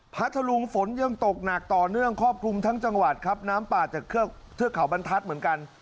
พัทธรุงฝนยังตกหนักต่อเนื่องครอบคลุมทั้งจังหวัดครับน้ำป่าจากเทือกเขาบรรทัศน์เหมือนกัน